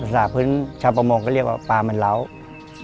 สาพื้นชาวประมงก็เรียกว่าปลามันเล้า